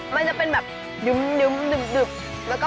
มันจะเป็นยุ่มทุก